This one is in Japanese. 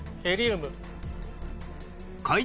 ヘリウム。